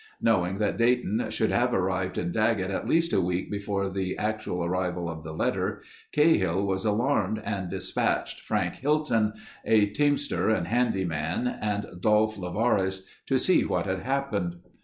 Knowing that Dayton should have arrived in Daggett at least a week before the actual arrival of the letter, Cahill was alarmed and dispatched Frank Hilton, a teamster and handy man, and Dolph Lavares to see what had happened.